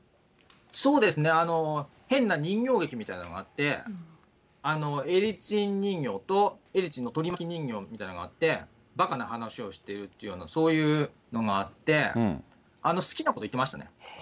そうですね、変な人形劇みたいなのがあって、エリツィン人形と、エリツィンの取り巻き人形みたいのがあって、ばかな話をしているっていうような、そういうのがあって、好きなこと言ってましたね。